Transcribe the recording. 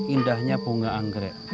indahnya bunga anggrek